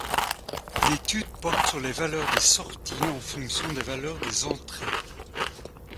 L'étude porte sur les valeurs des sorties en fonction des valeurs des entrées.